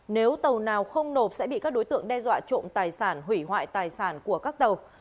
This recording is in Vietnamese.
nếu tàu nào không nộp sẽ bị các đối tượng đe dọa trộm tài sản hủy hoại tài sản của các tàu